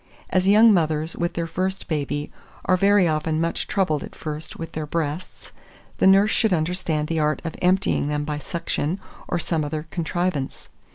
As young mothers with their first baby are very often much troubled at first with their breasts, the nurse should understand the art of emptying them by suction, or some other contrivance.